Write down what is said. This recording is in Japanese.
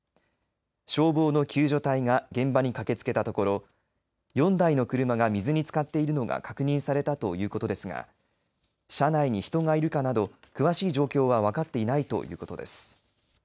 消防の救助隊が現場に駆けつけたところ４台の車が水につかっているのが確認されたということですが車内に人がいるかなど詳しい状況は分かっていないということです。